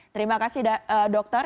terima kasih dokter